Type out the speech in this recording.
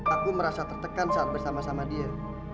aku merasa tertekan saat bersama sama dia